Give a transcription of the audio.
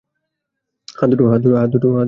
হাত দুটো কেটে ফেলো।